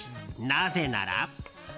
なぜなら。